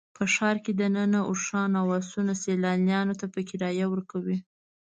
په ښار کې دننه اوښان او اسونه سیلانیانو ته په کرایه ورکوي.